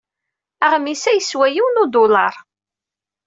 Aɣmis-a yeswa yiwen udulaṛ.